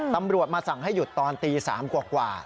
ตำรวจมาสั่งให้หยุดตอนตี๓กว่า